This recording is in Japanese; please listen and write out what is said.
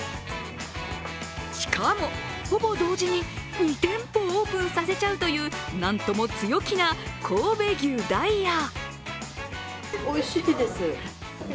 しかも、ほぼ同時に２店舗オープンさせちゃうというなんとも強気な神戸牛ダイア。